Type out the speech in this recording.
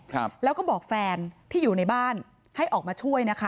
ครับแล้วก็บอกแฟนที่อยู่ในบ้านให้ออกมาช่วยนะคะ